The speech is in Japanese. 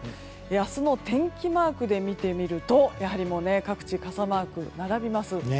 明日の天気マークで見てみるとやはり各地傘マークが並びます。